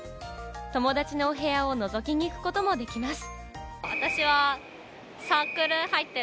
友達のお部屋をのぞきに行くこともできます。